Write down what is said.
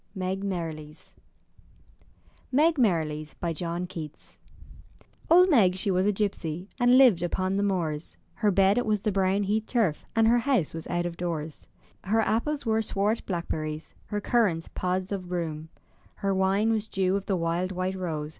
211 MY BOOK HOUSE MEG MERRILIES John Keats Old Meg she was a gipsy, And Uved upon the moors; Her bed it was the brown heath turf, And her house was out of doors. Her apples were swart blackberries, Her currants pods o' broom; Her wine was dew of the wild white rose.